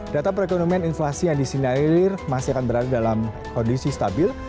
data perekonomian inflasi yang disinarilir masih akan berada dalam kondisi stabil